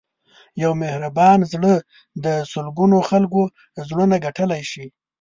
یو مهربان زړه د سلګونو خلکو زړونه ګټلی شي.